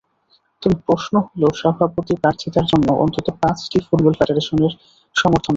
তবে প্রশ্ন হলো, সভাপতি প্রার্থিতার জন্য অন্তত পাঁচটি ফুটবল ফেডারেশনের সমর্থন লাগবে।